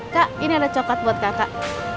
kak ini ada coklat buat kakak